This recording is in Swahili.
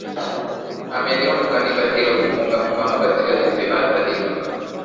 Ameliomba Kanisa hilo kumuunga mkono katika jitihada hizo